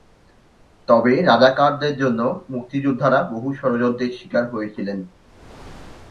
তবে রাজাকারদের জন্যে মুক্তিযোদ্ধারা বহু ষড়যন্ত্রের শিকার হয়েছিলেন।